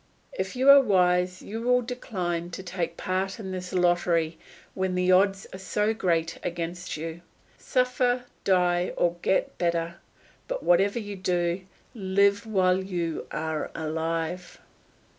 If you are wise you will decline to take part in this lottery when the odds are so great against you. Suffer, die, or get better; but whatever you do, live while you are alive.